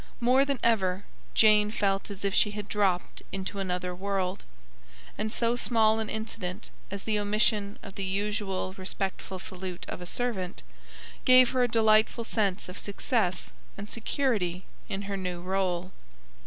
More than ever Jane felt as if she had dropped into another world, and so small an incident as the omission of the usual respectful salute of a servant, gave her a delightful sense of success and security in her new role.